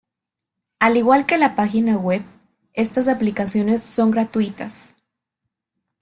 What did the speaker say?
Al igual que la página web, estas aplicaciones son gratuitas.